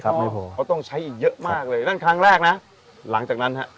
เพราะต้องใช้อีกเยอะมากเลยนั่นครั้งแรกนะหลังจากนั้นฮะ